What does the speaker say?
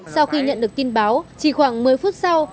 sau khi nhận được tin báo chỉ khoảng một mươi phút sau